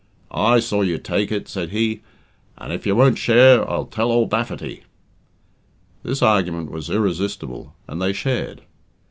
"I saw you take it," said he, "and if you won't share I'll tell old Baffaty." This argument was irresistible, and they shared.